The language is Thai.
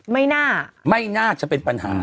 ไม่น่าไม่น่าจะเป็นปัญหา